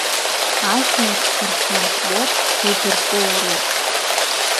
Ажәлар рфольклор рыдыркылароуп.